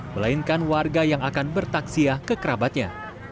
melainkan warga yang akan bertaksiah ke kerabatnya